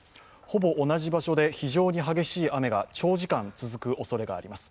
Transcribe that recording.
ほぼ同じ場所で非常に激しい雨が長時間続くおそれがあります。